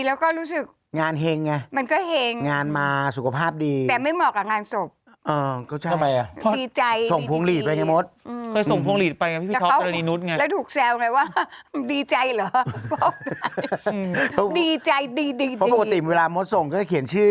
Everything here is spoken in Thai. แต่ปกติเวลามส่งเรียกเคยเขียนชื่อ